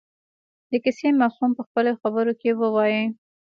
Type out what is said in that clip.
د کیسې مفهوم په خپلو خبرو کې ووايي.